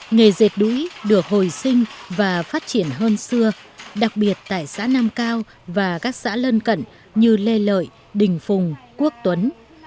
nghề dệt đũi được hồi sinh và phát triển hơn xưa đặc biệt tại xã nam cao và các xã lân cận như lê lợi đình phùng quốc tuấn